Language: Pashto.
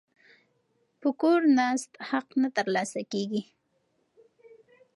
په کور ناست حق نه ترلاسه کیږي.